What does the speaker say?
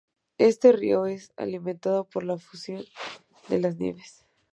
Este río es alimentado por la fusión de las nieves.